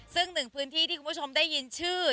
ซึ่งหนึ่งพื้นที่ที่คุณผู้ชมได้ยินชื่อ